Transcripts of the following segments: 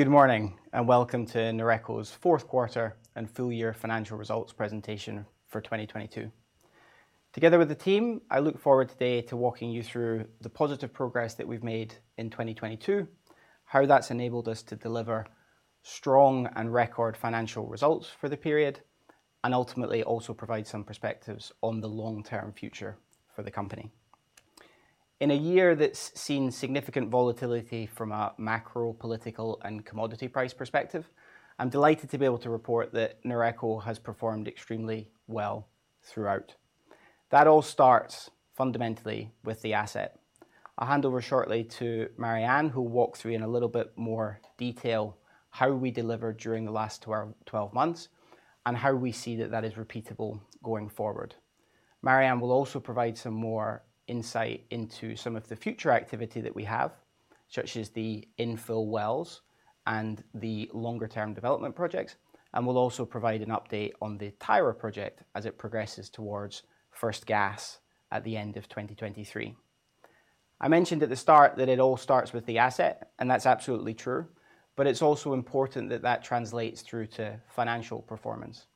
Good morning, welcome to Noreco's 4th quarter and full year financial results presentation for 2022. Together with the team, I look forward today to walking you through the positive progress that we've made in 2022, how that's enabled us to deliver strong and record financial results for the period, and ultimately also provide some perspectives on the long-term future for the company. In a year that's seen significant volatility from a macro, political, and commodity price perspective, I'm delighted to be able to report that Noreco has performed extremely well throughout. That all starts fundamentally with the asset. I'll hand over shortly to Marianne, who will walk through in a little bit more detail how we delivered during the last 12 months and how we see that that is repeatable going forward. Marianne will also provide some more insight into some of the future activity that we have, such as the infill wells and the longer-term development projects, and will also provide an update on the Tyra project as it progresses towards 1st gas at the end of 2023. I mentioned at the start that it all starts with the asset, that's absolutely true, but it's also important that that translates through to financial performance.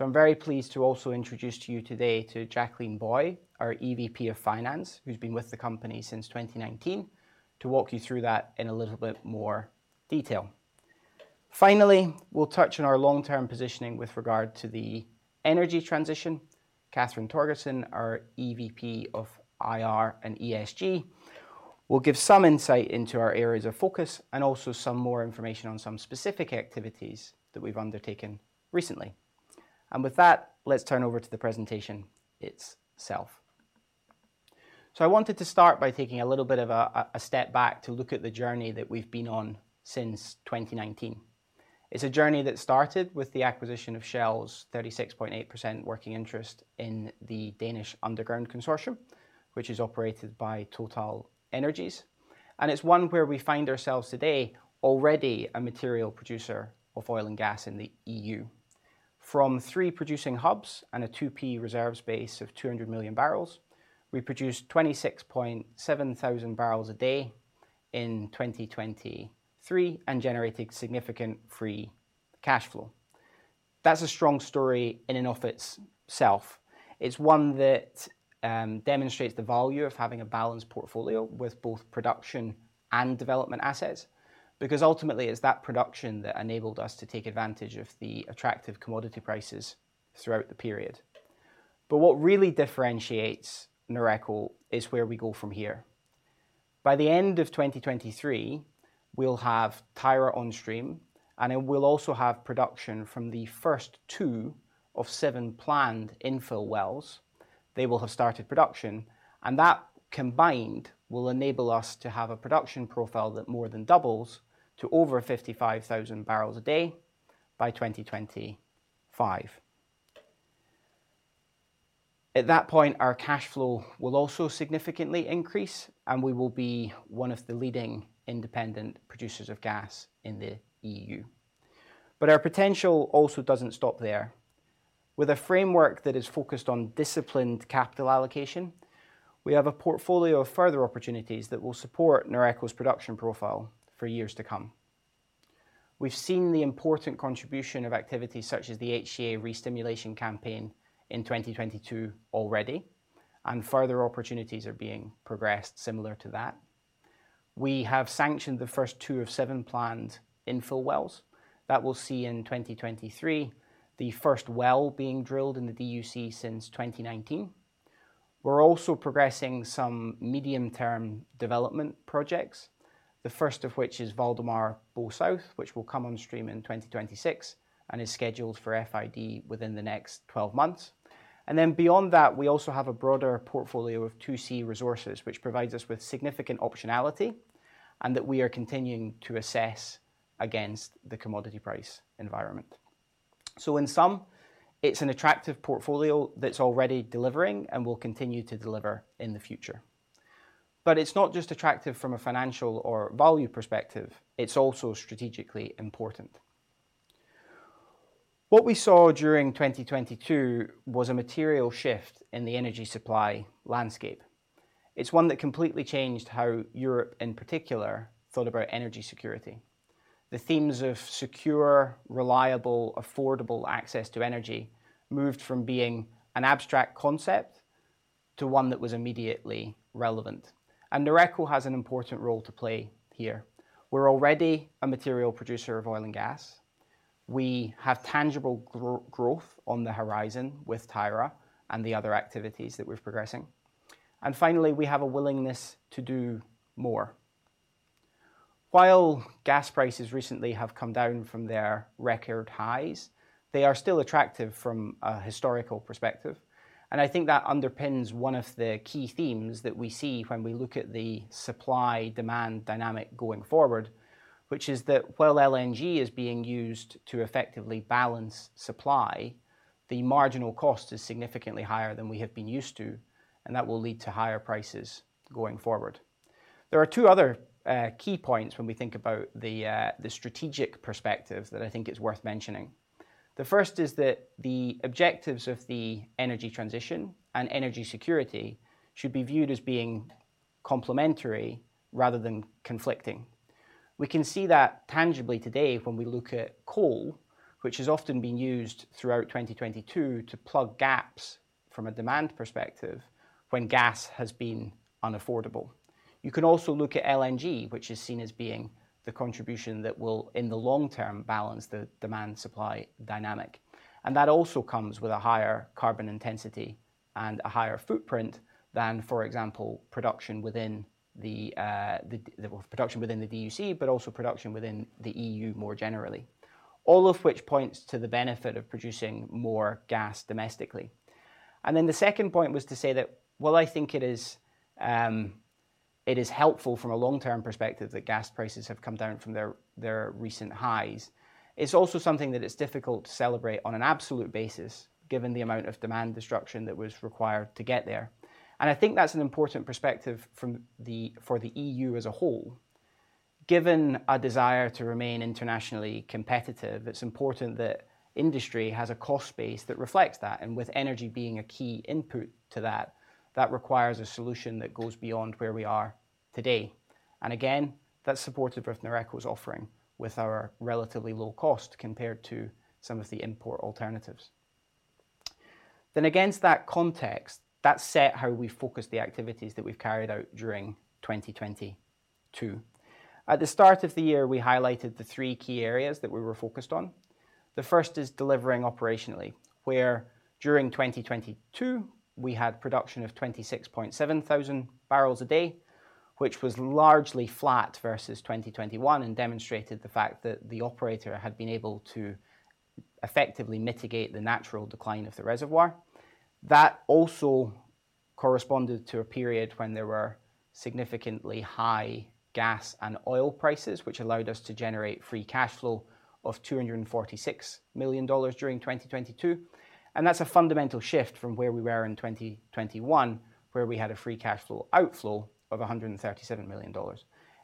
I'm very pleased to also introduce to you today to Jacqueline Boye, our EVP of Finance, who's been with the company since 2019, to walk you through that in a little bit more detail. Finally, we'll touch on our long-term positioning with regard to the energy transition. Cathrine Torgersen, our EVP of IR and ESG, will give some insight into our areas of focus and also some more information on some specific activities that we've undertaken recently. With that, let's turn over to the presentation itself. I wanted to start by taking a little bit of a step back to look at the journey that we've been on since 2019. It's a journey that started with the acquisition of Shell's 36.8 working interest in the Danish Underground Consortium, which is operated by TotalEnergies. It's one where we find ourselves today already a material producer of oil and gas in the EU. From three producing hubs and a 2P reserves base of 200 million barrels, we produced 26.7 thousand barrels a day in 2023 and generated significant free cash flow. That's a strong story in and of itself. It's one that demonstrates the value of having a balanced portfolio with both production and development assets, because ultimately, it's that production that enabled us to take advantage of the attractive commodity prices throughout the period. What really differentiates Noreco is where we go from here. By the end of 2023, we'll have Tyra on stream, and it will also have production from the 1st two of seven planned infill wells. They will have started production, and that combined will enable us to have a production profile that more than doubles to over 55,000 barrels a day by 2025. At that point, our cash flow will also significantly increase, and we will be one of the leading independent producers of gas in the EU. Our potential also doesn't stop there. With a framework that is focused on disciplined capital allocation, we have a portfolio of further opportunities that will support Noreco's production profile for years to come. We've seen the important contribution of activities such as the HCA re-stimulation campaign in 2022 already. Further opportunities are being progressed similar to that. We have sanctioned the 1st two of seven planned infill wells that we'll see in 2023, the 1st well being drilled in the DUC since 2019. We're also progressing some medium-term development projects, the 1st of which is Valdemar Bo South, which will come on stream in 2026 and is scheduled for FID within the next 12 months. Beyond that, we also have a broader portfolio of 2C resources, which provides us with significant optionality and that we are continuing to assess against the commodity price environment. In sum, it's an attractive portfolio that's already delivering and will continue to deliver in the future. It's not just attractive from a financial or value perspective, it's also strategically important. What we saw during 2022 was a material shift in the energy supply landscape. It's one that completely changed how Europe, in particular, thought about energy security. The themes of secure, reliable, affordable access to energy moved from being an abstract concept to one that was immediately relevant, Noreco has an important role to play here. We're already a material producer of oil and gas. We have tangible growth on the horizon with Tyra and the other activities that we're progressing. Finally, we have a willingness to do more. While gas prices recently have come down from their record highs, they are still attractive from a historical perspective, and I think that underpins one of the key themes that we see when we look at the supply-demand dynamic going forward, which is that while LNG is being used to effectively balance supply, the marginal cost is significantly higher than we have been used to, and that will lead to higher prices going forward. There are two other key points when we think about the strategic perspective that I think is worth mentioning. The 1st is that the objectives of the energy transition and energy security should be viewed as being complementary rather than conflicting. We can see that tangibly today when we look at coal, which has often been used throughout 2022 to plug gaps from a demand perspective when gas has been unaffordable. You can also look at LNG, which is seen as being the contribution that will, in the long term, balance the demand-supply dynamic. That also comes with a higher carbon intensity and a higher footprint than, for example, production within the production within the DUC, but also production within the EU more generally. All of which points to the benefit of producing more gas domestically. The 2nd point was to say that while I think it is helpful from a long-term perspective that gas prices have come down from their recent highs, it's also something that is difficult to celebrate on an absolute basis given the amount of demand destruction that was required to get there. I think that's an important perspective for the EU as a whole. Given a desire to remain internationally competitive, it's important that industry has a cost base that reflects that, with energy being a key input to that requires a solution that goes beyond where we are today. Again, that's supported with Noreco's offering with our relatively low cost compared to some of the important alternatives. Against that context, that set how we focus the activities that we've carried out during 2022. At the start of the year, we highlighted the three key areas that we were focused on. The 1st is delivering operationally, where during 2022, we had production of 26.7 thousand barrels a day, which was largely flat versus 2021 and demonstrated the fact that the operator had been able to effectively mitigate the natural decline of the reservoir. That also corresponded to a period when there were significantly high gas and oil prices, which allowed us to generate free cash flow of $246 million during 2022. That's a fundamental shift from where we were in 2021, where we had a free cash flow outflow of $137 million.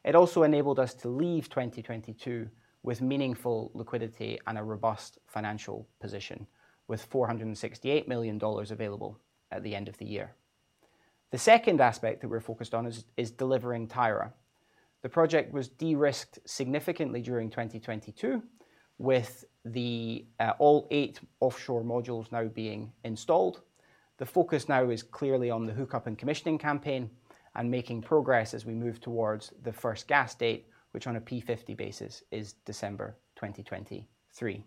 It also enabled us to leave 2022 with meaningful liquidity and a robust financial position, with $468 million available at the end of the year. The 2nd aspect that we're focused on is delivering Tyra. The project was de-risked significantly during 2022, with the all offshore modules now being installed. The focus now is clearly on the hookup and commissioning campaign and making progress as we move towards the 1st gas date, which on a P50 basis is December 2023.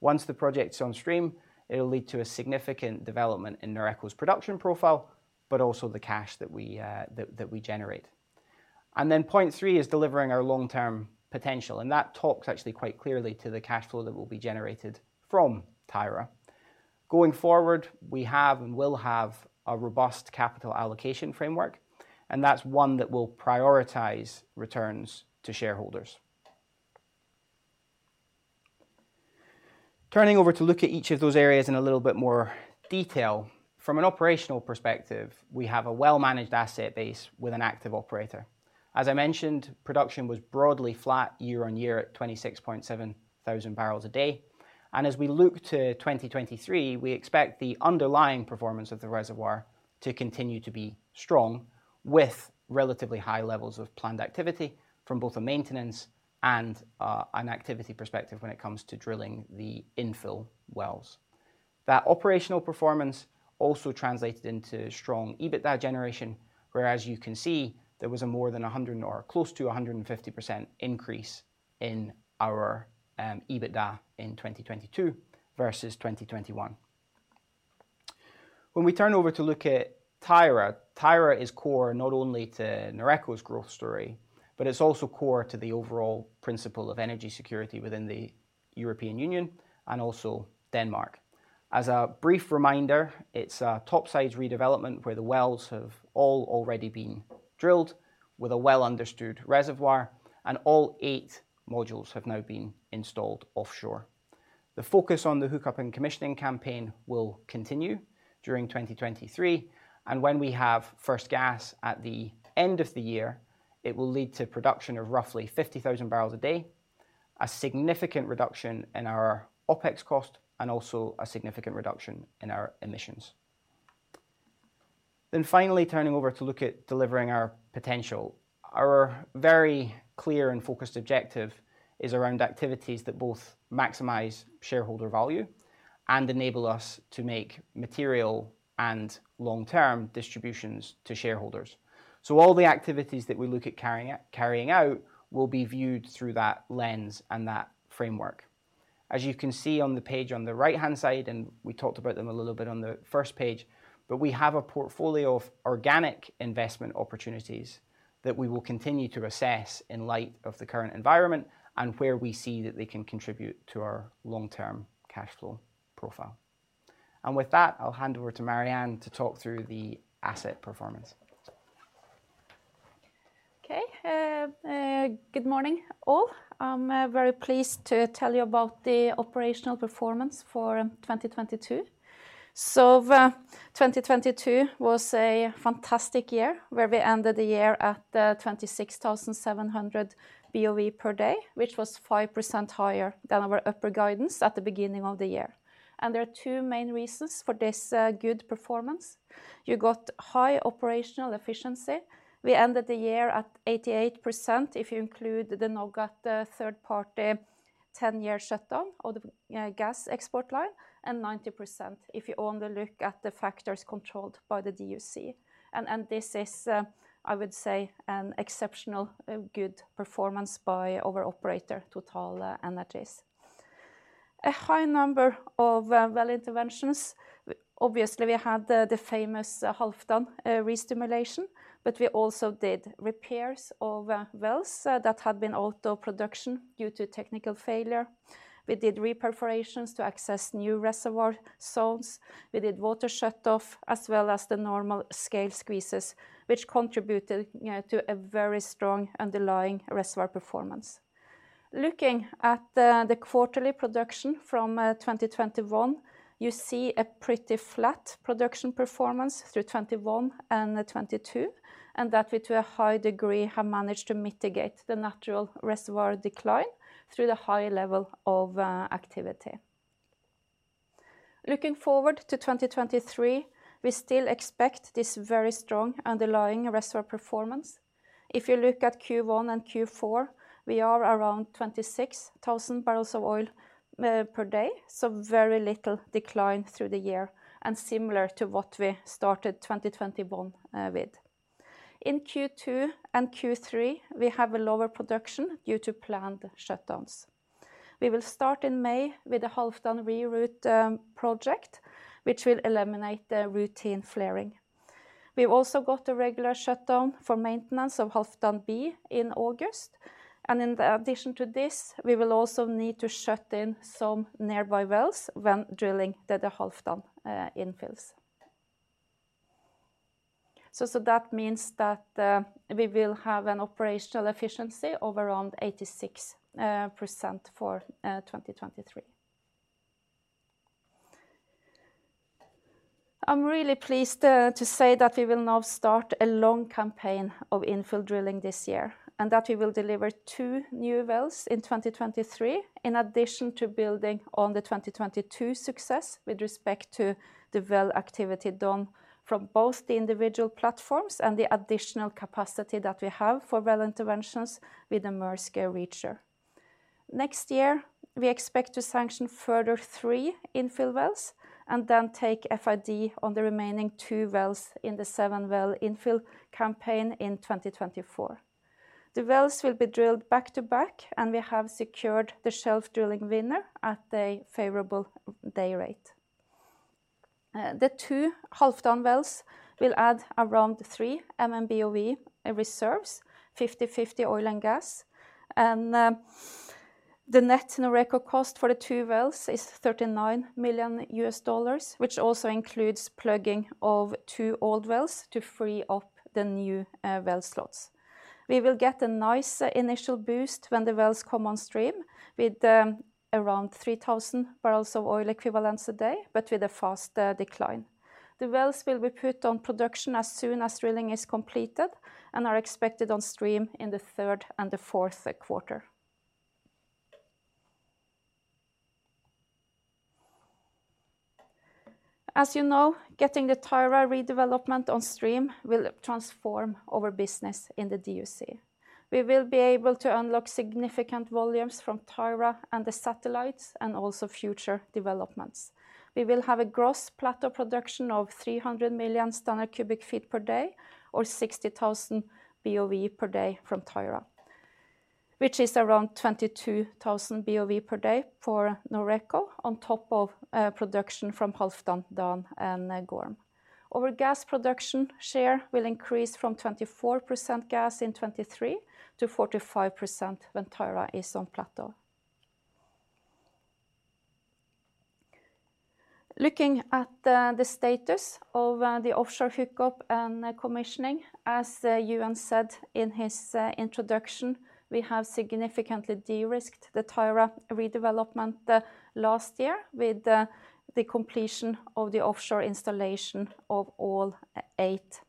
Once the project's on stream, it'll lead to a significant development in Noreco's production profile, but also the cash that we generate. Point three is delivering our long-term potential, and that talks actually quite clearly to the cash flow that will be generated from Tyra. Going forward, we have and will have a robust capital allocation framework, and that's one that will prioritize returns to shareholders. Turning over to look at each of those areas in a little bit more detail. From an operational perspective, we have a well-managed asset base with an active operator. As I mentioned, production was broadly flat year-on-year at 26.7 thousand barrels a day. As we look to 2023, we expect the underlying performance of the reservoir to continue to be strong, with relatively high levels of planned activity from both a maintenance and an activity perspective when it comes to drilling the infill wells. That operational performance also translated into strong EBITDA generation, where, as you can see, there was a more than 100% or close to 150% increase in our EBITDA in 2022 versus 2021. When we turn over to look at Tyra is core not only to Noreco's growth story, but it's also core to the overall principle of energy security within the European Union and also Denmark. As a brief reminder, it's a topstage redevelopment where the wells have all already been drilled with a well-understood reservoir, and all eight modules have now been installed offshore. The focus on the hookup and commissioning campaign will continue during 2023, and when we have 1st gas at the end of the year, it will lead to production of roughly 50,000 barrels a day, a significant reduction in our OpEx cost, and also a significant reduction in our emissions. Finally, turning over to look at delivering our potential. Our very clear and focused objective is around activities that both maximize shareholder value and enable us to make material and long-term distributions to shareholders. All the activities that we look at carrying out will be viewed through that lens and that framework. As you can see on the page on the right-hand side, we talked about them a little bit on the 1st page, but we have a portfolio of organic investment opportunities that we will continue to assess in light of the current environment and where we see that they can contribute to our long-term cash flow profile. With that, I'll hand over to Marianne to talk through the asset performance. Okay. Good morning, all. I'm very pleased to tell you about the operational performance for 2022. 2022 was a fantastic year where we ended the year at 26,700 BOE per day, which was 5% higher than our upper guidance at the beginning of the year. There are two main reasons for this good performance. You got high operational efficiency. We ended the year at 88% if you include the Nogat 3rd party 10-year shutdown of the gas export line, and 90% if you only look at the factors controlled by the DUC. This is, I would say an exceptional good performance by our operator, TotalEnergies. A high number of well interventions. Obviously, we had the famous Halfdan re-stimulation. We also did repairs of wells that had been out of production due to technical failure. We did re-perforations to access new reservoir zones. We did water shutoff, as well as the normal scale squeezes, which contributed to a very strong underlying reservoir performance. Looking at the quarterly production from 2021, you see a pretty flat production performance through 21 and 22, that we to a high degree have managed to mitigate the natural reservoir decline through the high level of activity. Looking forward to 2023, we still expect this very strong underlying reservoir performance. If you look at Q1 and Q4, we are around 26,000 barrels of oil per day, very little decline through the year and similar to what we started 2021 with. In Q2 and Q3, we have a lower production due to planned shutdowns. We will start in May with the Halfdan re-route project, which will eliminate the routine flaring. We've also got a regular shutdown for maintenance of Halfdan B in August. In addition to this, we will also need to shut in some nearby wells when drilling the Halfdan infills. That means that we will have an operational efficiency of around 86% for 2023. I'm really pleased to say that we will now start a long campaign of infill drilling this year, and that we will deliver two new wells in 2023, in addition to building on the 2022 success with respect to the well activity done from both the individual platforms and the additional capacity that we have for well interventions with the Maersk Reacher. Next year we expect to sanction further three infill wells and then take FID on the remaining two wells in the 7-well infill campaign in 2024. The wells will be drilled back to back, and we have secured the Shelf Drilling Winner at a favorable day rate. The two Halfdan wells will add around three MMboe reserves, 50/50 oil and gas. The net Noreco cost for the two wells is $39 million, which also includes plugging of two old wells to free up the new well slots. We will get a nice initial boost when the wells come on stream with around 3,000 barrels of oil equivalents a day, but with a fast decline. The wells will be put on production as soon as drilling is completed and are expected on stream in the 3rd and 4th quarter. You know, getting the Tyra redevelopment on stream will transform our business in the DUC. We will be able to unlock significant volumes from Tyra and the satellites and also future developments. We will have a gross plateau production of 300 million standard cu ft per day or 60,000 boe/d from Tyra, which is around 22,000 boe/d for Noreco on top of production from Halfdan, Dan and Gorm. Our gas production share will increase from 24% gas in 2023 to 45% when Tyra is on plateau. Looking at the status of the offshore hookup and commissioning, as Johan said in his introduction, we have significantly de-risked the Tyra redevelopment last year with the completion of the offshore installation of all eight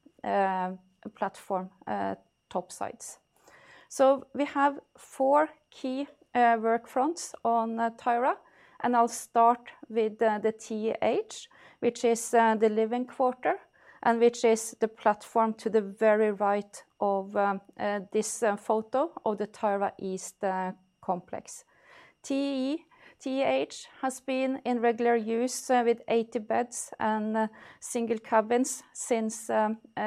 platform topsides. We have four key work fronts on Tyra, and I'll start with the TEH, which is the living quarter, and which is the platform to the very right of this photo of the Tyra East complex. TEH has been in regular use with 80 beds and single cabins since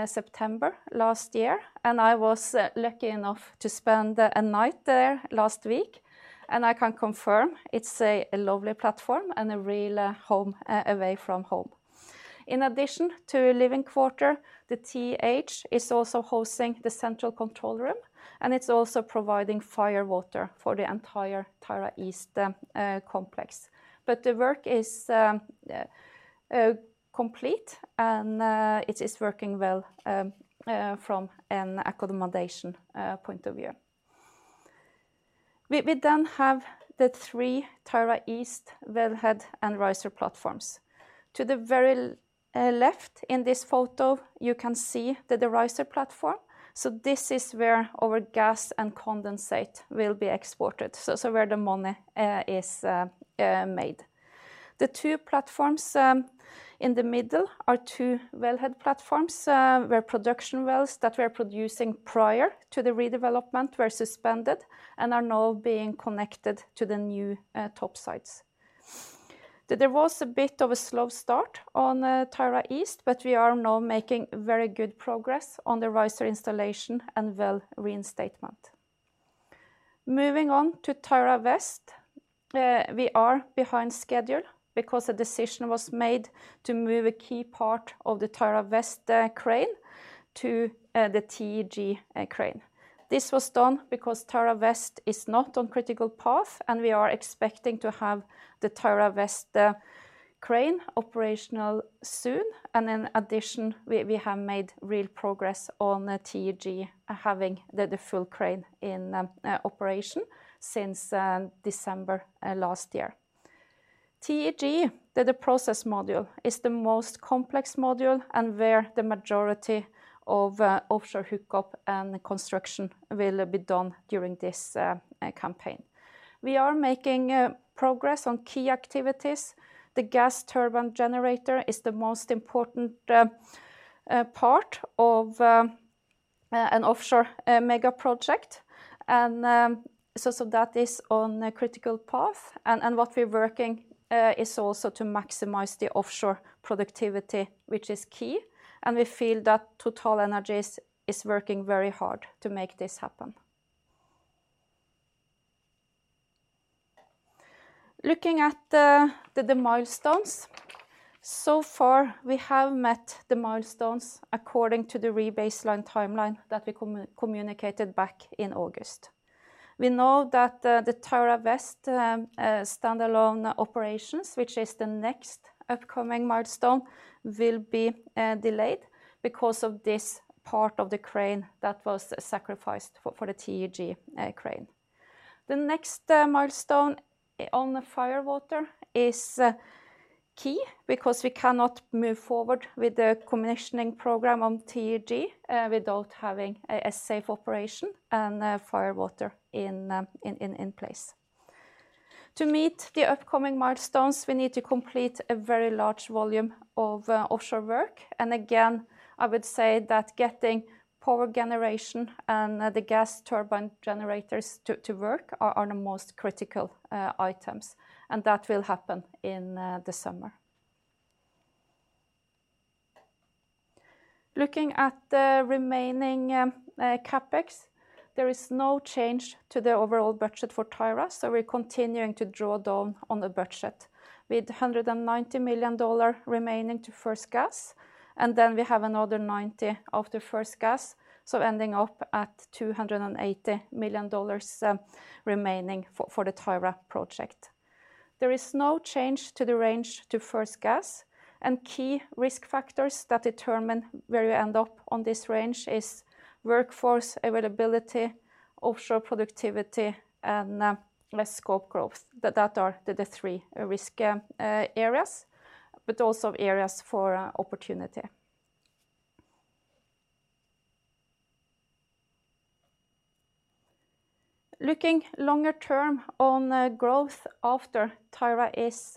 September last year, and I was lucky enough to spend a night there last week, and I can confirm it's a lovely platform and a real home away from home. In addition to a living quarter, the TEH is also hosting the central control room. It's also providing fire water for the entire Tyra East complex. The work is complete and it is working well from an accommodation point of view. We then have the three Tyra East wellhead and riser platforms. To the very left in this photo you can see the riser platform. This is where our gas and condensate will be exported, so where the money is made. The two platforms in the middle are two wellhead platforms where production wells that were producing prior to the redevelopment were suspended and are now being connected to the new topsides. There was a bit of a slow start on Tyra East. We are now making very good progress on the riser installation and well reinstatement. Moving on to Tyra West, we are behind schedule because a decision was made to move a key part of the Tyra West crane to the TEG crane. This was done because Tyra West is not on critical path, and we are expecting to have the Tyra West crane operational soon. In addition, we have made real progress on the TEG having the full crane in operation since December last year. TEG, the process module is the most complex module and where the majority of offshore hookup and construction will be done during this campaign. We are making progress on key activities. The gas turbine generator is the most important part of an offshore mega project and so that is on a critical path. What we're working is also to maximize the offshore productivity, which is key, and we feel that TotalEnergies is working very hard to make this happen. Looking at the milestones, so far we have met the milestones according to the rebaseline timeline that we communicated back in August. We know that the Tyra West standalone operations, which is the next upcoming milestone, will be delayed because of this part of the crane that was sacrificed for the TEG crane. The next milestone on the fire water is key because we cannot move forward with the commissioning program on TEG without having a safe operation and fire water in place. To meet the upcoming milestones, we need to complete a very large volume of offshore work. Again, I would say that getting power generation and the gas turbine generators to work are the most critical items and that will happen in the summer. Looking at the remaining CapEx, there is no change to the overall budget for Tyra, so we're continuing to draw down on the budget with $190 million remaining to 1st gas, and then we have another $90 of the 1st gas, so ending up at $280 million remaining for the Tyra project. There is no change to the range to 1st gas, and key risk factors that determine where we end up on this range is workforce availability, offshore productivity and less scope growth. That are the three risk areas but also areas for opportunity. Looking longer term on growth after Tyra is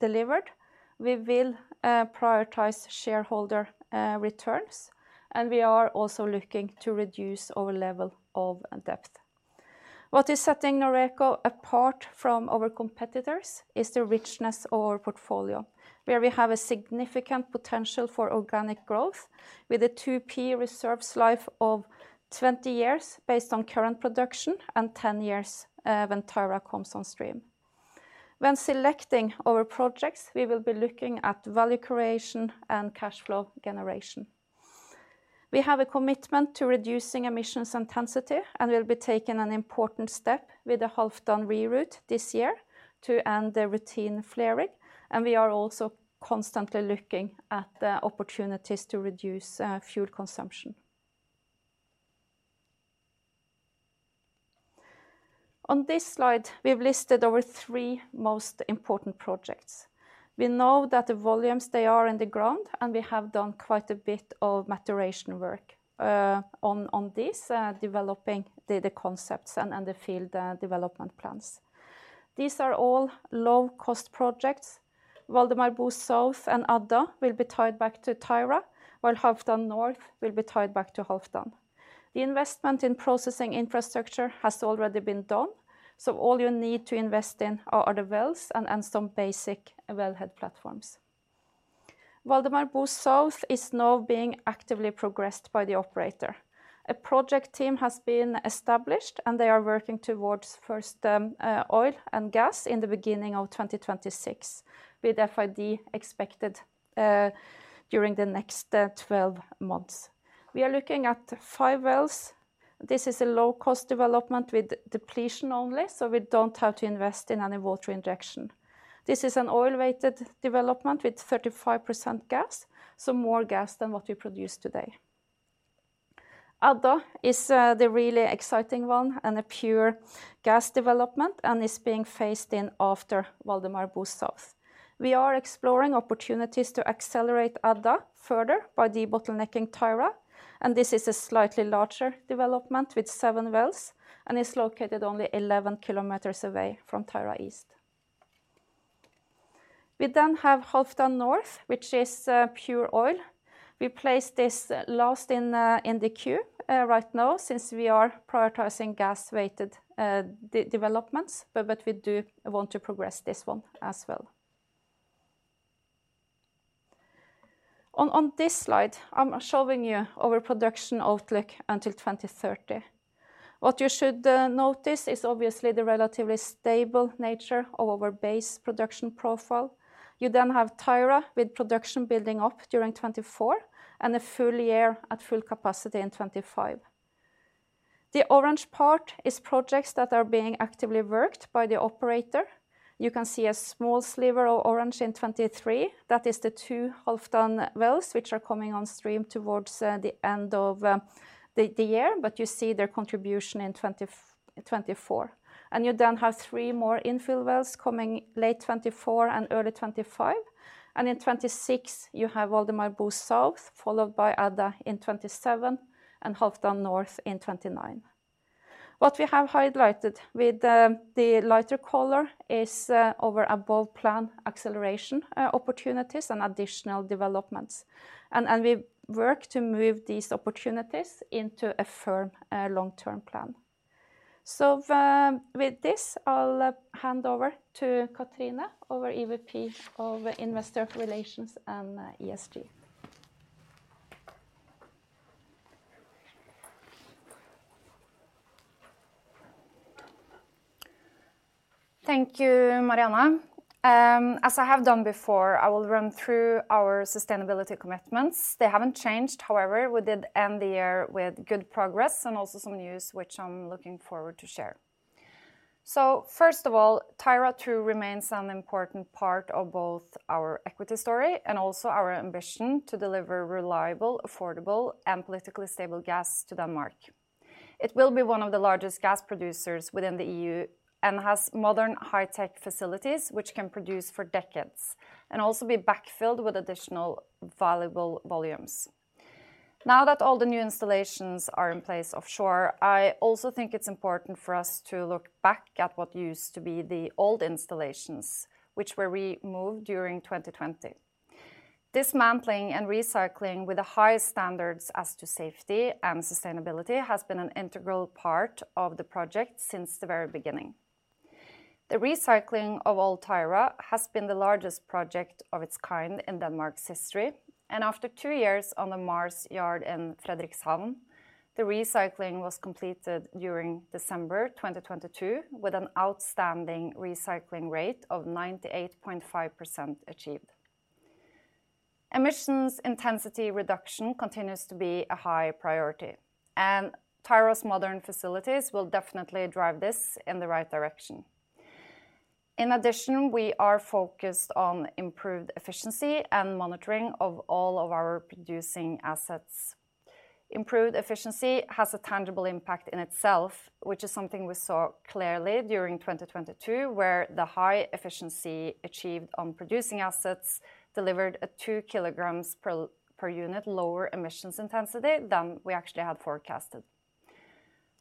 delivered, we will prioritize shareholder returns and we are also looking to reduce our level of debt. What is setting Noreco apart from our competitors is the richness of our portfolio, where we have a significant potential for organic growth with a 2P reserves life of 20 years based on current production and 10 years when Tyra comes on stream. When selecting our projects, we will be looking at value creation and cash flow generation. We have a commitment to reducing emissions intensity and will be taking an important step with the Halfdan re-route this year to end the routine flaring, and we are also constantly looking at the opportunities to reduce fuel consumption. On this slide, we have listed our three most important projects. We know that the volumes, they are in the ground, and we have done quite a bit of maturation work on this, developing the concepts and the field development plans. These are all low cost projects. Valdemar Bo South and ADA will be tied back to Tyra while Halfdan North will be tied back to Halfdan. The investment in processing infrastructure has already been done, all you need to invest in are the wells and some basic wellhead platforms. Valdemar Bo South is now being actively progressed by the operator. A project team has been established and they are working towards 1st oil and gas in the beginning of 2026 with FID expected during the next 12 months. We are looking at five wells. This is a low-cost development with depletion only. We don't have to invest in any water injection. This is an oil-weighted development with 35% gas. More gas than what we produce today. ADA is the really exciting one and a pure gas development. Is being phased in after Valdemar Bo South. We are exploring opportunities to accelerate ADA further by debottlenecking Tyra. This is a slightly larger development with seven wells and is located only 11 km away from Tyra East. We have Halfdan North, which is pure oil. We placed this last in the queue right now since we are prioritizing gas-weighted developments, but we do want to progress this one as well. On this slide, I'm showing you our production outlook until 2030. What you should notice is obviously the relatively stable nature of our base production profile. You then have Tyra with production building up during 2024 and a full year at full capacity in 2025. The orange part is projects that are being actively worked by the operator. You can see a small sliver of orange in 2023. That is the two Halfdan wells which are coming on stream towards the end of the year, but you see their contribution in 2024. You then have three more infill wells coming late 2024 and early 2025, and in 2026 you have Valdemar Bo South, followed by ADA in 2027 and Halfdan North in 2029. What we have highlighted with the lighter color is our above plan acceleration opportunities and additional developments and we work to move these opportunities into a firm, long-term plan. With this, I'll hand over to Cathrine, our EVP of Investor Relations and ESG. Thank you, Marianne. As I have done before, I will run through our sustainability commitments. They haven't changed. However, we did end the year with good progress and also some news which I'm looking forward to share. 1st of all, Tyra II remains an important part of both our equity story and also our ambition to deliver reliable, affordable, and politically stable gas to Denmark. It will be one of the largest gas producers within the EU and has modern high-tech facilities which can produce for decades and also be backfilled with additional valuable volumes. Now that all the new installations are in place offshore, I also think it's important for us to look back at what used to be the old installations which were removed during 2020. Dismantling and recycling with the highest standards as to safety and sustainability has been an integral part of the project since the very beginning. The recycling of old Tyra has been the largest project of its kind in Denmark's history. After two years on the Mærskgården in Frederikshavn, the recycling was completed during December 2022 with an outstanding recycling rate of 98.5% achieved. Emissions intensity reduction continues to be a high priority, Tyra's modern facilities will definitely drive this in the right direction. In addition, we are focused on improved efficiency and monitoring of all of our producing assets. Improved efficiency has a tangible impact in itself, which is something we saw clearly during 2022, where the high efficiency achieved on producing assets delivered at two kg per unit lower emissions intensity than we actually had forecasted.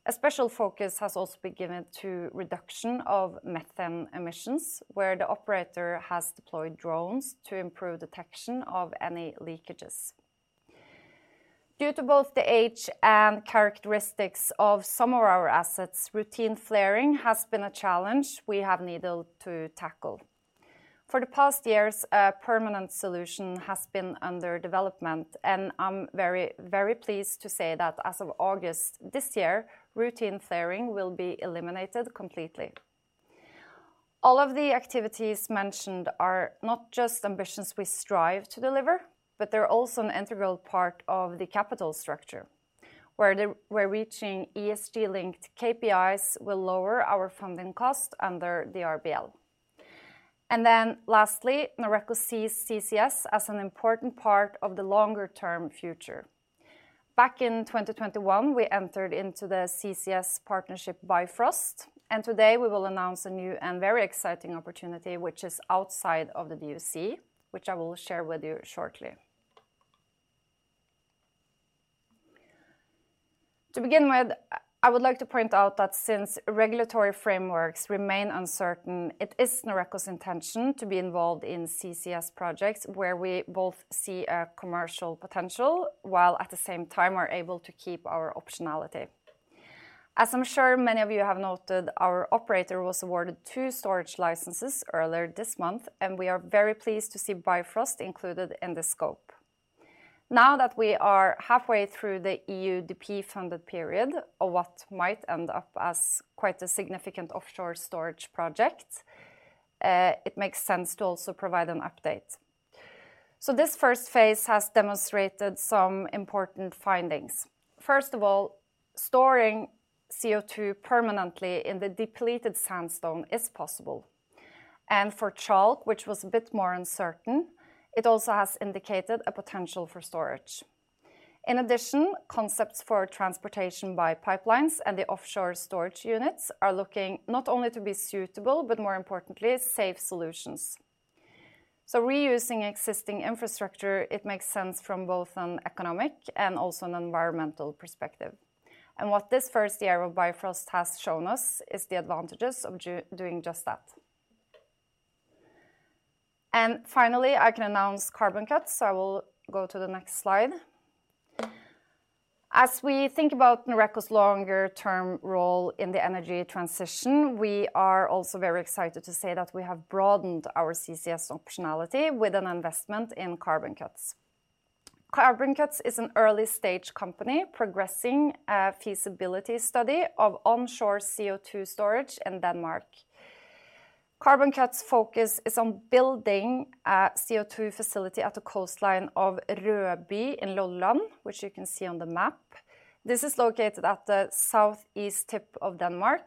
A special focus has also been given to reduction of methane emissions, where the operator has deployed drones to improve detection of any leakages. Due to both the age and characteristics of some of our assets, routine flaring has been a challenge we have needed to tackle. For the past years, a permanent solution has been under development, I'm very, very pleased to say that as of August this year, routine flaring will be eliminated completely. All of the activities mentioned are not just ambitions we strive to deliver, they're also an integral part of the capital structure, where we're reaching ESG-linked KPIs will lower our funding cost under the RBL. Lastly, Noreco sees CCS as an important part of the longer-term future. Back in 2021, we entered into the CCS partnership Bifrost. Today we will announce a new and very exciting opportunity which is outside of the DUC, which I will share with you shortly. To begin with, I would like to point out that since regulatory frameworks remain uncertain, it is Noreco's intention to be involved in CCS projects where we both see a commercial potential while at the same time are able to keep our optionality. As I'm sure many of you have noted, our operator was awarded two storage licenses earlier this month, and we are very pleased to see Bifrost included in the scope. Now that we are halfway through the EUDP funded period of what might end up as quite a significant offshore storage project, it makes sense to also provide an update. This 1st phase has demonstrated some important findings. of all, storing CO2 permanently in the depleted sandstone is possible. For chalk, which was a bit more uncertain, it also has indicated a potential for storage. In addition, concepts for transportation by pipelines and the offshore storage units are looking not only to be suitable, but more importantly, safe solutions. Reusing existing infrastructure, it makes sense from both an economic and also an environmental perspective. What this 1st year of Bifrost has shown us is the advantages of doing just that. Finally, I can announce CarbonCuts. I will go to the next slide. As we think about Noreco's longer term role in the energy transition, we are also very excited to say that we have broadened our CCS optionality with an investment in CarbonCuts. CarbonCuts is an early-stage company progressing a feasibility study of onshore CO2 storage in Denmark. CarbonCuts' focus is on building a CO2 facility at the coastline of Rødby in Lolland, which you can see on the map. This is located at the southeast tip of Denmark,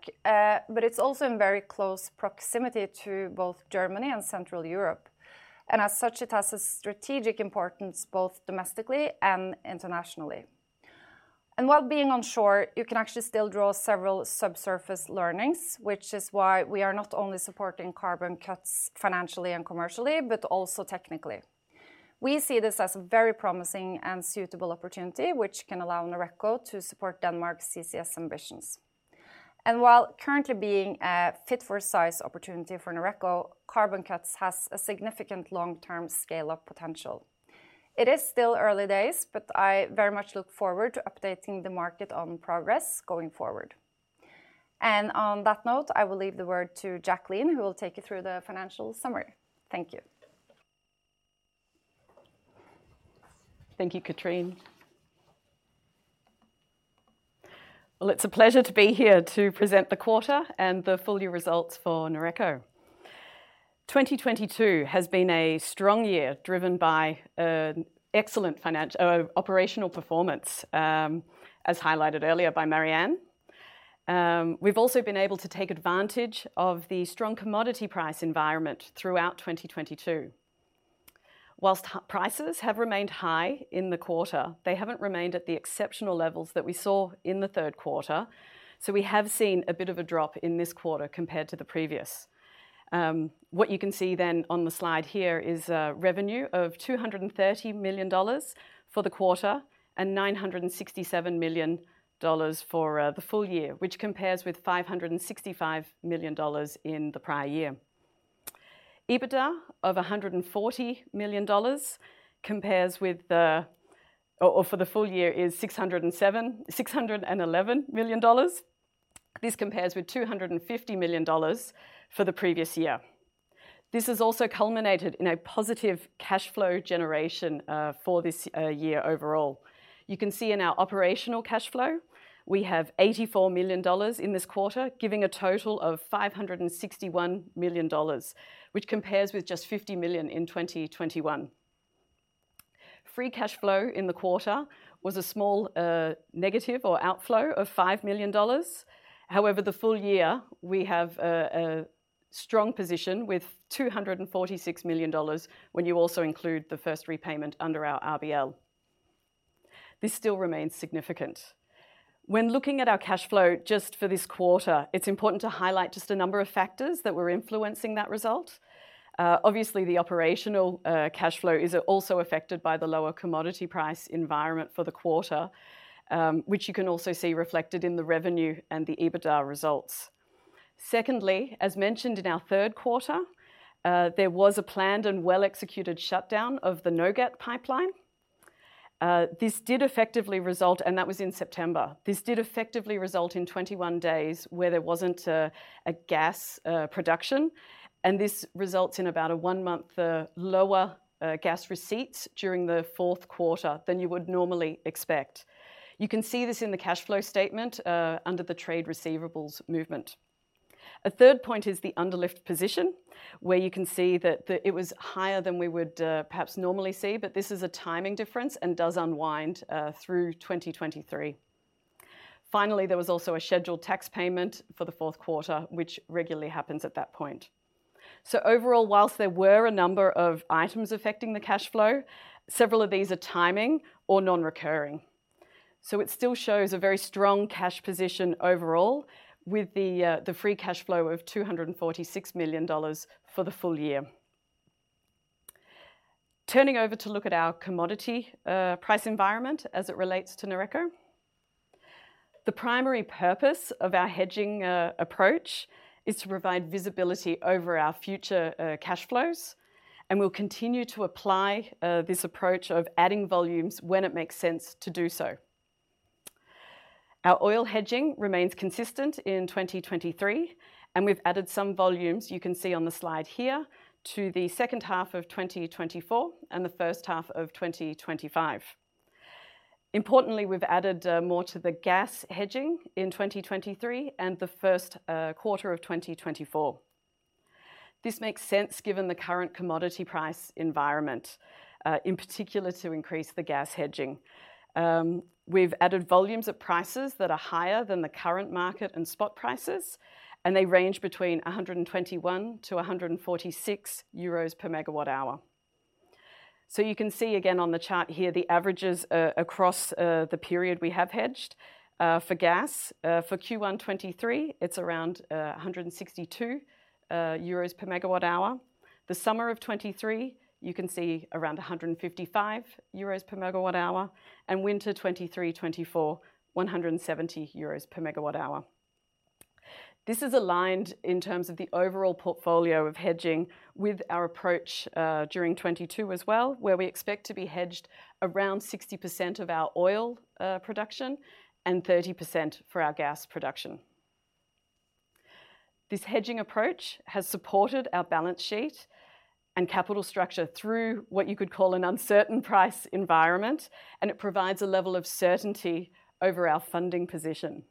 it's also in very close proximity to both Germany and Central Europe, as such, it has a strategic importance both domestically and internationally. While being onshore, you can actually still draw several subsurface learnings, which is why we are not only supporting CarbonCuts financially and commercially, but also technically. We see this as a very promising and suitable opportunity which can allow Noreco to support Denmark's CCS ambitions. While currently being a fit for size opportunity for Noreco, CarbonCuts has a significant long-term scale of potential. It is still early days, but I very much look forward to updating the market on progress going forward. On that note, I will leave the word to Jacqueline, who will take you through the financial summary. Thank you. Thank you, Cathrine. Well, it's a pleasure to be here to present the quarter and the full year results for Noreco. 2022 has been a strong year, driven by excellent operational performance, as highlighted earlier by Marianne. We've also been able to take advantage of the strong commodity price environment throughout 2022. Whilst prices have remained high in the quarter, they haven't remained at the exceptional levels that we saw in the 3rd quarter, we have seen a bit of a drop in this quarter compared to the previous. What you can see on the slide here is revenue of $230 million for the quarter and $967 million for the full year, which compares with $565 million in the prior year. EBITDA of $140 million compares with or for the full year is $611 million. This compares with $250 million for the previous year. This has also culminated in a positive cash flow generation for this year overall. You can see in our operational cash flow, we have $84 million in this quarter, giving a total of $561 million, which compares with just $50 million in 2021. Free cash flow in the quarter was a small negative or outflow of $5 million. The full year, we have a strong position with $246 million when you also include the 1st repayment under our RBL. This still remains significant. When looking at our cash flow just for this quarter, it's important to highlight just a number of factors that were influencing that result. Obviously, the operational cash flow is also affected by the lower commodity price environment for the quarter, which you can also see reflected in the revenue and the EBITDA results. Secondly, as mentioned in our 3rd quarter, there was a planned and well-executed shutdown of the Nogat pipeline. That was in September. This did effectively result in 21 days where there wasn't a gas production, this results in about a one-month lower gas receipts during the 4th quarter than you would normally expect. You can see this in the cash flow statement under the trade receivables movement. A 3rd point is the underlift position, where you can see that it was higher than we would perhaps normally see. This is a timing difference and does unwind through 2023. Finally, there was also a scheduled tax payment for the 4th quarter, which regularly happens at that point. Overall, whilst there were a number of items affecting the cash flow, several of these are timing or non-recurring. It still shows a very strong cash position overall with the free cash flow of $246 million for the full year. Turning over to look at our commodity price environment as it relates to Noreco. The primary purpose of our hedging approach is to provide visibility over our future cash flows, and we'll continue to apply this approach of adding volumes when it makes sense to do so. Our oil hedging remains consistent in 2023, and we've added some volumes you can see on the slide here to the 2nd half of 2024 and the 1st half of 2025. Importantly, we've added more to the gas hedging in 2023 and the 1st quarter of 2024. This makes sense given the current commodity price environment, in particular to increase the gas hedging. We've added volumes at prices that are higher than the current market and spot prices, and they range between 121 to 146 euros per MWh. You can see again on the chart here the averages across the period we have hedged for gas. For Q1 2023, it's around 162 euros per MWh. The summer of 2023, you can see around 155 euros per MWh, and winter 23/24, 170 euros per MWh. This is aligned in terms of the overall portfolio of hedging with our approach during 2022 as well, where we expect to be hedged around 60% of our oil production and 30% for our gas production. This hedging approach has supported our balance sheet and capital structure through what you could call an uncertain price environment. It provides a level of certainty over our funding position.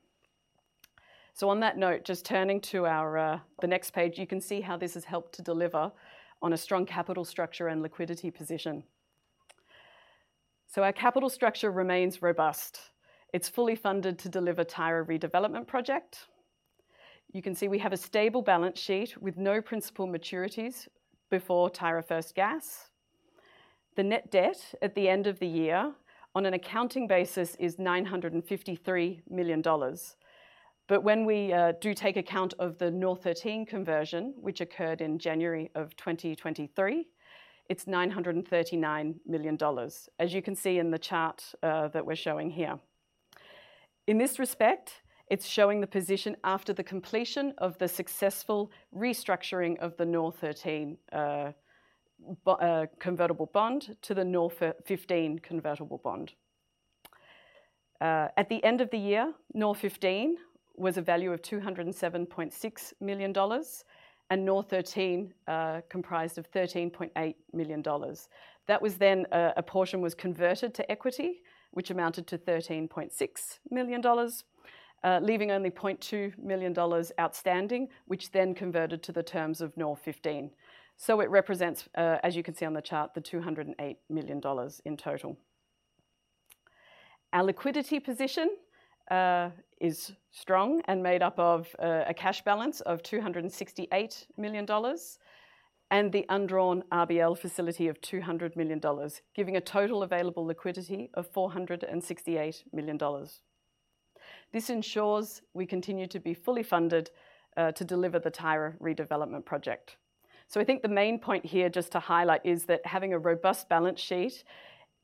On that note, just turning to our... the next page, you can see how this has helped to deliver on a strong capital structure and liquidity position. Our capital structure remains robust. It's fully funded to deliver Tyra redevelopment project. You can see we have a stable balance sheet with no principal maturities before Tyra 1st gas. The net debt at the end of the year on an accounting basis is $953 million. When we do take account of the NOR13 conversion, which occurred in January of 2023, it's $939 million, as you can see in the chart that we're showing here. In this respect, it's showing the position after the completion of the successful restructuring of the NOR13 convertible bond to the NOR15 convertible bond. At the end of the year, NOR15 was a value of $207.6 million, and NOR13 comprised of $13.8 million. That was then, a portion was converted to equity, which amounted to $13.6 million, leaving only $0.2 million outstanding, which then converted to the terms of NOR15. It represents, as you can see on the chart, the $208 million in total. Our liquidity position is strong and made up of a cash balance of $268 million and the undrawn RBL facility of $200 million, giving a total available liquidity of $468 million. This ensures we continue to be fully funded to deliver the Tyra redevelopment project. I think the main point here just to highlight is that having a robust balance sheet,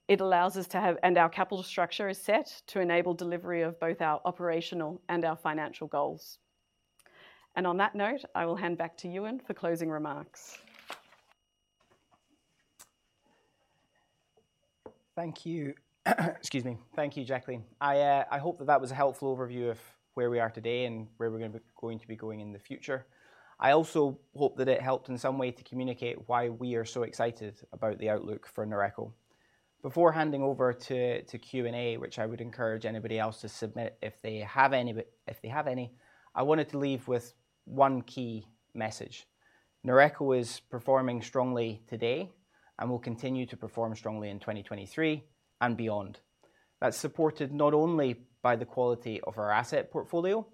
it allows us, and our capital structure is set to enable delivery of both our operational and our financial goals. On that note, I will hand back to Euan for closing remarks. Thank you. Excuse me. Thank you, Jacqueline. I hope that that was a helpful overview of where we are today and where we're going to be going in the future. I also hope that it helped in some way to communicate why we are so excited about the outlook for Noreco. Before handing over to Q&A, which I would encourage anybody else to submit if they have any, I wanted to leave with one key message. Noreco is performing strongly today and will continue to perform strongly in 2023 and beyond. That's supported not only by the quality of our asset portfolio,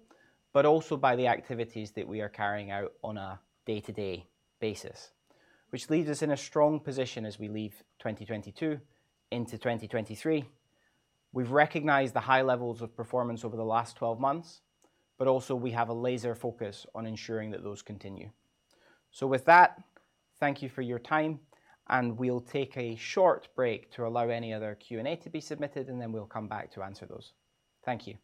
but also by the activities that we are carrying out on a day-to-day basis, which leaves us in a strong position as we leave 2022 into 2023. We've recognized the high levels of performance over the last 12 months, but also we have a laser focus on ensuring that those continue. With that, thank you for your time, and we'll take a short break to allow any other Q&A to be submitted, and then we'll come back to answer those. Thank you.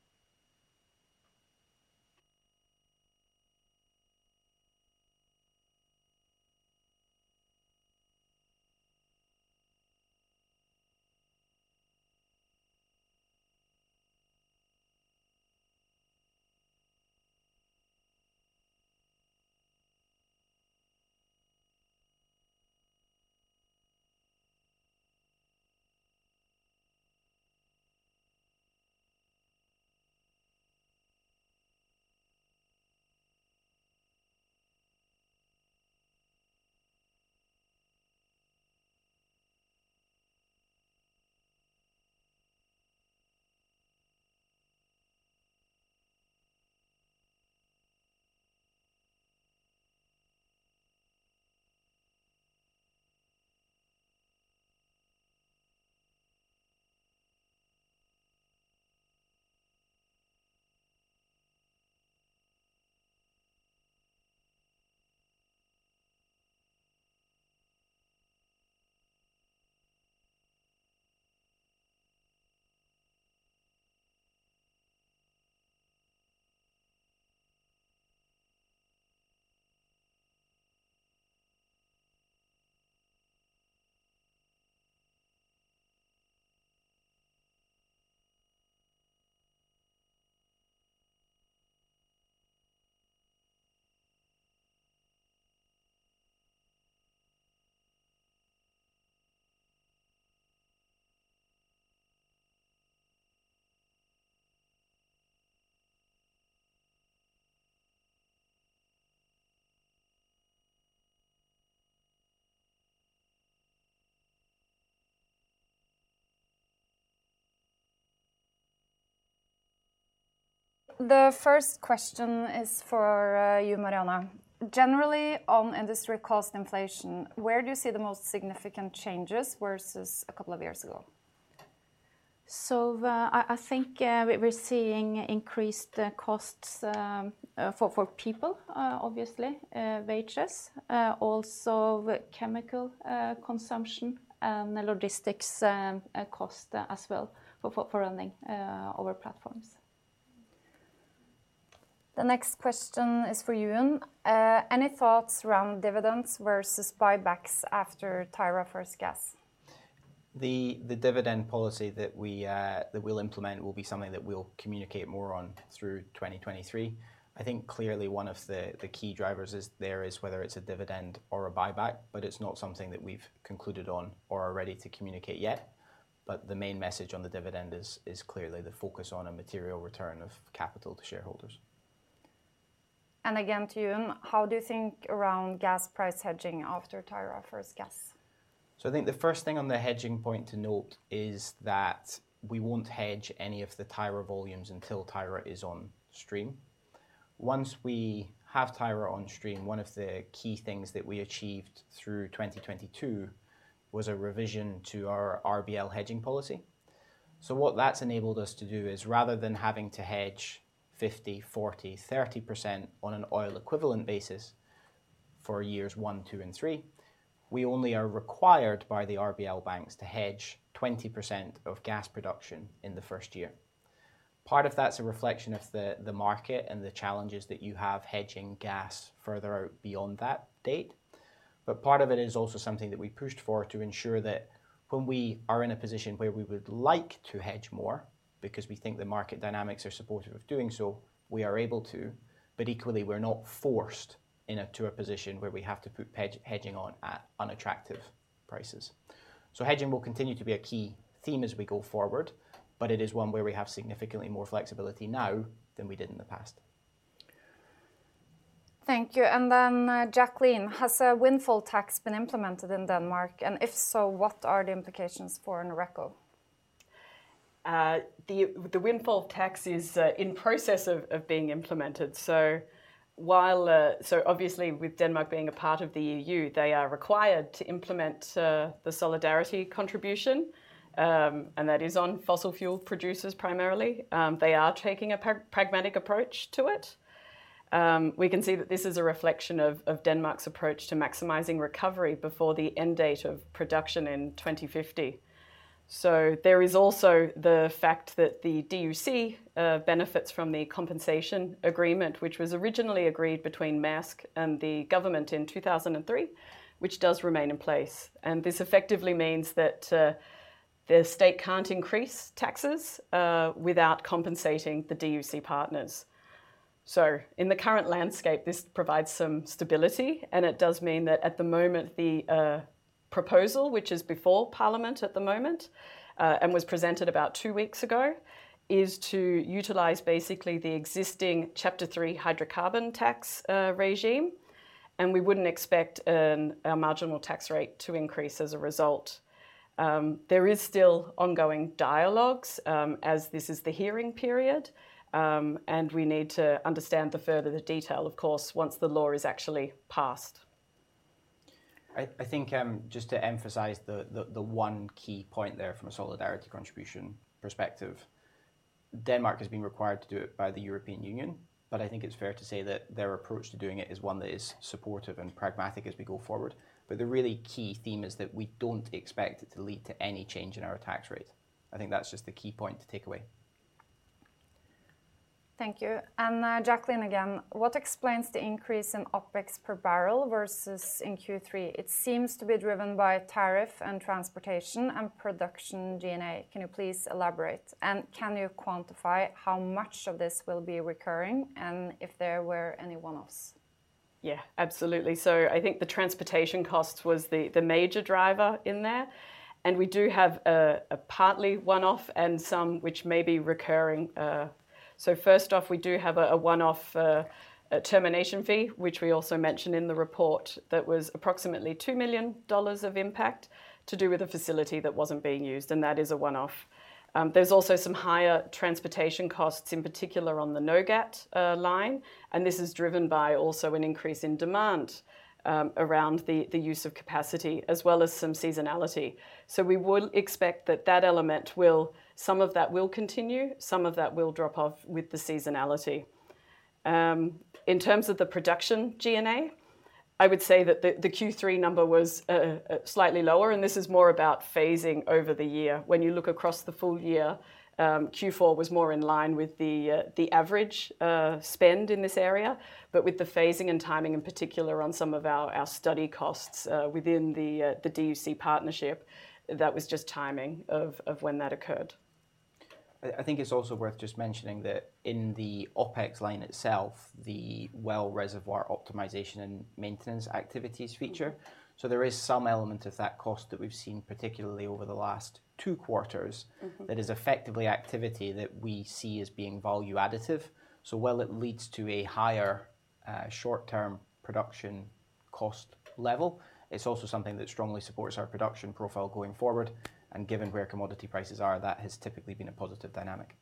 The 1st question is for you, Marianne. Generally, on industry cost inflation, where do you see the most significant changes versus a couple of years ago? I think we're seeing increased costs for people, obviously, wages. Also chemical consumption and the logistics cost as well for running our platforms. The next question is for Euan. Any thoughts around dividends versus buybacks after Tyra 1st gas? The dividend policy that we that we'll implement will be something that we'll communicate more on through 2023. I think clearly one of the key drivers is whether it's a dividend or a buyback, but it's not something that we've concluded on or are ready to communicate yet. The main message on the dividend is clearly the focus on a material return of capital to shareholders. Again to Euan, how do you think around gas price hedging after Tyra 1st gas? I think the 1st thing on the hedging point to note is that we won't hedge any of the Tyra volumes until Tyra is on stream. Once we have Tyra on stream, one of the key things that we achieved through 2022 was a revision to our RBL hedging policy. What that's enabled us to do is rather than having to hedge 50%, 40%, 30% on an oil equivalent basis for years one, two and three, we only are required by the RBL banks to hedge 20% of gas production in the 1st year. Part of that's a reflection of the market and the challenges that you have hedging gas further out beyond that date. Part of it is also something that we pushed for to ensure that when we are in a position where we would like to hedge more because we think the market dynamics are supportive of doing so, we are able to, but equally we're not forced to a position where we have to put hedging on at unattractive prices. Hedging will continue to be a key theme as we go forward, but it is one where we have significantly more flexibility now than we did in the past. Thank you. Jacqueline, has a windfall tax been implemented in Denmark? If so, what are the implications for Noreco? The windfall tax is in process of being implemented. While obviously with Denmark being a part of the EU, they are required to implement the solidarity contribution, and that is on fossil fuel producers primarily. They are taking a pragmatic approach to it. We can see that this is a reflection of Denmark's approach to maximizing recovery before the end date of production in 2050. There is also the fact that the DUC benefits from the compensation agreement, which was originally agreed between Maersk and the government in 2003, which does remain in place. This effectively means that the state can't increase taxes without compensating the DUC partners. In the current landscape, this provides some stability, and it does mean that at the moment the proposal, which is before parliament at the moment, and was presented about two weeks ago, is to utilize basically the existing Chapter 3 hydrocarbon tax regime, and we wouldn't expect a marginal tax rate to increase as a result. There is still ongoing dialogues, as this is the hearing period, and we need to understand the further the detail, of course, once the law is actually passed. I think, just to emphasize the one key point there from a solidarity contribution perspective, Denmark has been required to do it by the European Union. I think it's fair to say that their approach to doing it is one that is supportive and pragmatic as we go forward. The really key theme is that we don't expect it to lead to any change in our tax rate. I think that's just the key point to take away. Thank you. Jacqueline again, what explains the increase in OpEx per barrel versus in Q3? It seems to be driven by tariff and transportation and production G&A. Can you please elaborate? Can you quantify how much of this will be recurring and if there were any one-offs? Yeah, absolutely. I think the transportation cost was the major driver in there, and we do have a partly one-off and some which may be recurring. 1st off, we do have a one-off termination fee, which we also mentioned in the report that was approximately $2 million of impact to do with a facility that wasn't being used, and that is a one-off. There's also some higher transportation costs, in particular on the Nogat line, and this is driven by also an increase in demand around the use of capacity as well as some seasonality. We would expect that that element will, some of that will continue, some of that will drop off with the seasonality. In terms of the production G&A, I would say that the Q3 number was slightly lower. This is more about phasing over the year. When you look across the full year, Q4 was more in line with the average spend in this area. With the phasing and timing in particular on some of our study costs, within the DUC partnership, that was just timing of when that occurred. I think it's also worth just mentioning that in the OpEx line itself, the well reservoir optimization and maintenance activities feature. There is some element of that cost that we've seen particularly over the last two quarters. Mm-hmm... that is effectively activity that we see as being value additive. While it leads to a higher short-term production cost level, it's also something that strongly supports our production profile going forward. Given where commodity prices are, that has typically been a positive dynamic.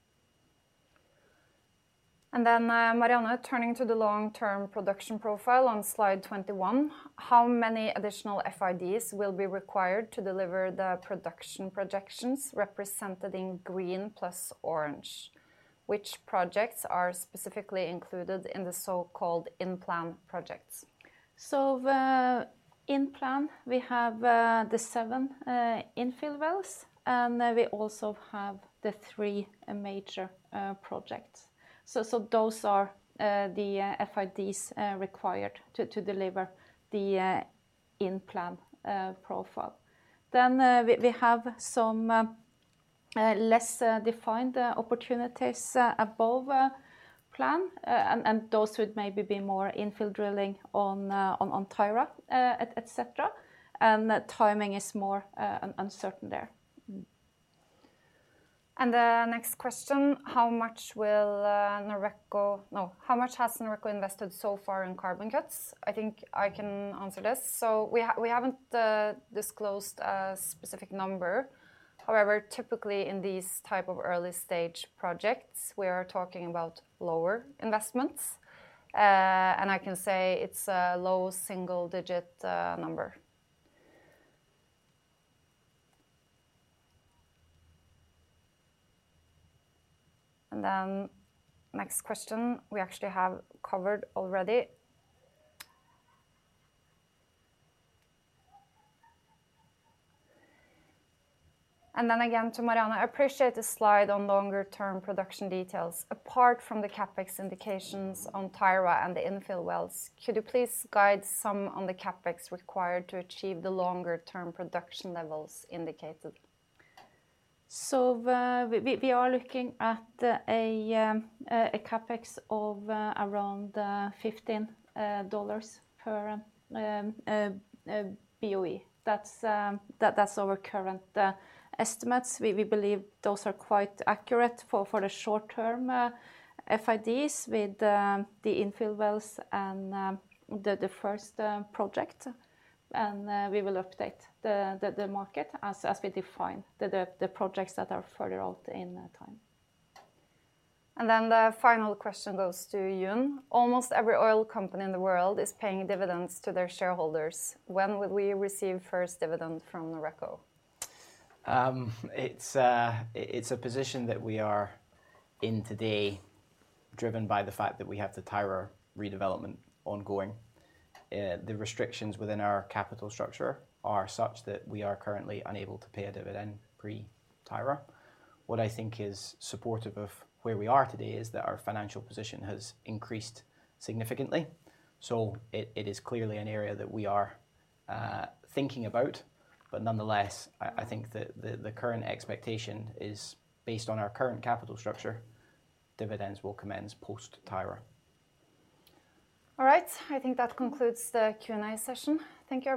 Then, Marianne, turning to the long-term production profile on slide 21, how many additional FIDs will be required to deliver the production projections represented in green plus orange? Which projects are specifically included in the so-called in-plan projects? The in-plan, we have the seven infill wells, and we also have the three major projects. Those are the FIDs required to deliver the in-plan profile. We have some less defined opportunities above plan, and those would maybe be more infill drilling on Tyra, et cetera. The timing is more uncertain there. The next question, how much has Noreco invested so far in CarbonCuts? I think I can answer this. We haven't disclosed a specific number. However, typically, in these type of early stage projects, we are talking about lower investments. I can say it's a low single digit number. Next question we actually have covered already. Again to Marianne. I appreciate the slide on longer term production details. Apart from the CapEx indications on Tyra and the infill wells, could you please guide some on the CapEx required to achieve the longer term production levels indicated? We are looking at a CapEx of around $15 per BOE. That's our current estimates. We believe those are quite accurate for the short term FIDs with the infill wells and the 1st project. We will update the market as we define the projects that are further out in time. The final question goes to Euan.Almost every oil company in the world is paying dividends to their shareholders. When will we receive 1st dividend from BlueNord? It's a position that we are in today driven by the fact that we have the Tyra redevelopment ongoing. The restrictions within our capital structure are such that we are currently unable to pay a dividend pre-Tyra. What I think is supportive of where we are today is that our financial position has increased significantly. Nonetheless, I think the current expectation is based on our current capital structure, dividends will commence post-Tyra. All right. I think that concludes the Q&A session. Thank you.